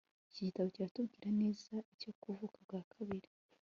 iki gitabo kiratubwira neza icyo kuvuka ubwa kabiri